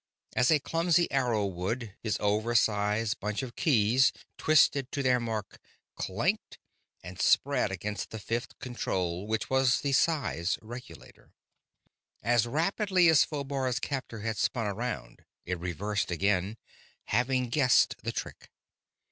As a clumsy arrow would, his oversize bunch of keys twisted to their mark, clanked, and spread against the fifth control, which was the size regulator. As rapidly as Phobar's captor had spun around, it reversed again, having guessed the trick.